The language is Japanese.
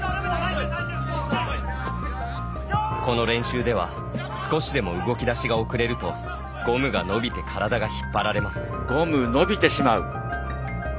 この練習では少しでも動き出しが遅れるとゴムが伸びて体が引っ張られます。